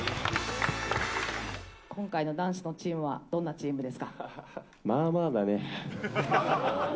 今回の男子のチームはどんなまあまあだね。